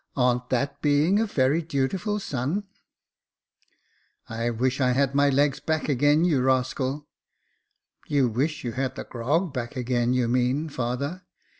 Arn't that being a very dutiful son ?"I wish I had my legs back again, you rascal !"You wish you had the grog back again, you mean, father.